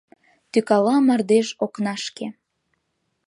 Тӱкала мардеж окнашке...